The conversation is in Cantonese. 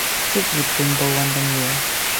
職業競步運動員